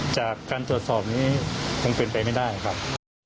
จากการตรวจสอบนี้คงเป็นไปไม่ได้ครับ